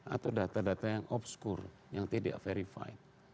atau data data yang obskur yang tidak verified